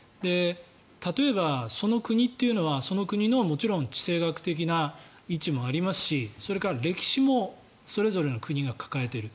例えば、その国っていうのはその国の地政学的な位置もありますしそれから歴史もそれぞれの国が抱えている。